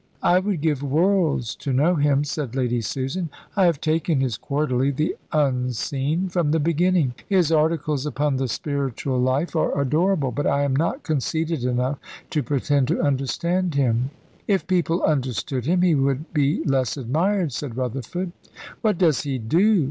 "I would give worlds to know him," said Lady Susan. "I have taken his quarterly, The Unseen, from the beginning, His articles upon the spiritual life are adorable, but I am not conceited enough to pretend to understand him." "If people understood him, he would be less admired," said Rutherford. "What does he do?"